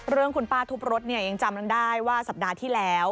คุณป้าทุบรถเนี่ยยังจำได้ว่าสัปดาห์ที่แล้ว